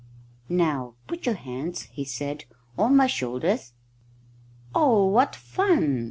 "Now put your hands," he said, "on my shoulders." "Oh, what fun!"